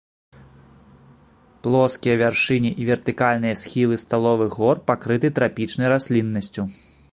Плоскія вяршыні і вертыкальныя схілы сталовых гор пакрыты трапічнай расліннасцю.